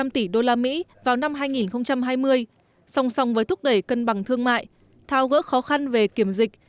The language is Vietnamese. một trăm linh tỷ usd vào năm hai nghìn hai mươi song song với thúc đẩy cân bằng thương mại thao gỡ khó khăn về kiểm dịch